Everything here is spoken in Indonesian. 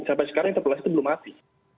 sampai sekarang interpelasi itu belum mati